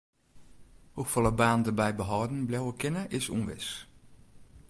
Hoefolle banen dêrby behâlden bliuwe kinne is ûnwis.